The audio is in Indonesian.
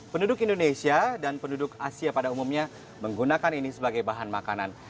penduduk indonesia dan penduduk asia pada umumnya menggunakan ini sebagai bahan makanan